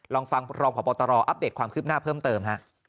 ลองฟังรองพบตรอัปเดตความคืบหน้าเพิ่มเติมฮะ